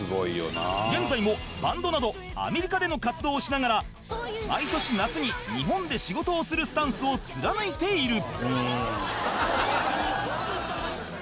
現在もバンドなどアメリカでの活動をしながら毎年夏に日本で仕事をするスタンスを貫いている